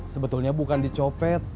sebetulnya bukan dicopet